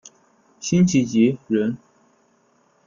辛弃疾人。